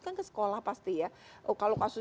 kan ke sekolah pasti ya kalau kasus